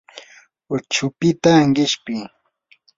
huchupita qishpi.